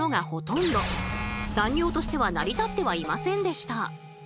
産業としては成り立ってはいませんでした。